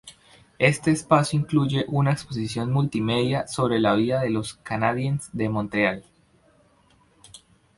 Este espacio incluye una exposición multimedia sobre la vida de los Canadiens de Montreal.